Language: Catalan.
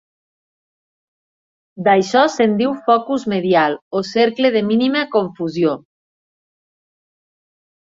D'això se'n diu "focus medial" o "cercle de mínima confusió".